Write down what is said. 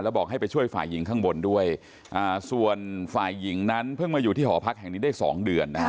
บอกให้ไปช่วยฝ่ายหญิงข้างบนด้วยส่วนฝ่ายหญิงนั้นเพิ่งมาอยู่ที่หอพักแห่งนี้ได้สองเดือนนะฮะ